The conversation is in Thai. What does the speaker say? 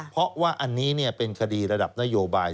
เพราะว่าอันนี้เป็นคดีระดับนโยบาย